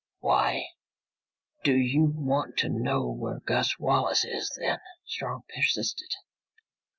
"Why do you want to know where Gus Wallace is, then?" Strong persisted.